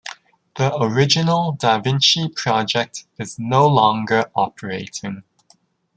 The original da Vinci Project is no longer operating.